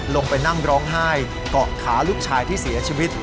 ลงไปนั่งร้องไห้เกาะขาลูกชายที่เสียชีวิต